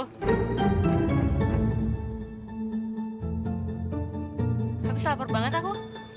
habis lapar banget aku